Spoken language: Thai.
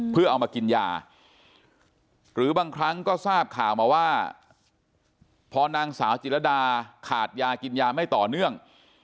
เพื่อเอามากินยาหรือบางครั้งก็ทราบข่าวมาว่าพอนางสาวจิรดาขาดยากินยาไม่ต่อเนื่อง